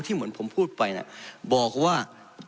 เหมือนผมพูดไปนะบอกว่า